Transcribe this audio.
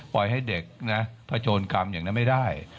ปล่อยให้เด็กนะผโชนกรรมอย่างนั้นไม่ได้